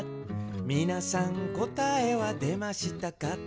「みなさんこたえはでましたか？」